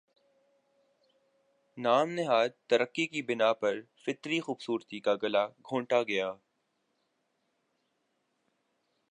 نام نہاد ترقی کی بنا پر فطری خوبصورتی کا گلا گھونٹتا گیا